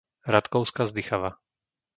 Ratkovská Zdychava